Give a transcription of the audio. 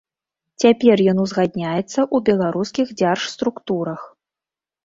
Цяпер ён узгадняецца ў беларускіх дзяржструктурах.